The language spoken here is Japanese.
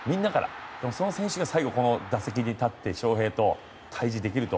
その選手が最後、打席に立って翔平と対峙できると。